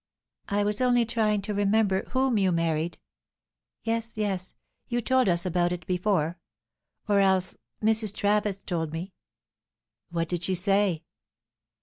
"I was only trying to remember whom you married. Yes, yes; you told us about it before. Or else. Mrs. Travis told me." "What did she say?"